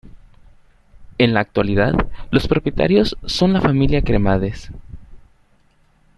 En la actualidad los propietarios son la familia Cremades.